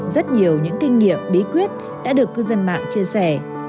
rất nhiều những kinh nghiệm bí quyết đã được cư dân mạng chia sẻ